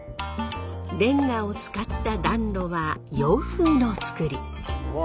レンガを使った暖炉は洋風の造り。